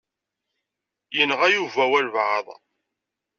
Yenɣa Yuba walebɛaḍ.